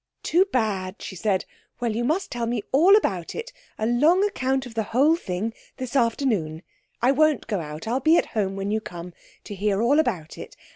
'Too bad,' she said. 'Well, you must tell me all about it a long account of the whole thing this afternoon. I won't go out. I'll be at home when you come to hear all about it.